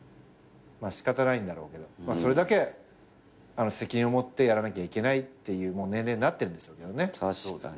まあ仕方ないんだろうけどそれだけ責任を持ってやらなきゃいけないっていう年齢になってんでしょうけどね。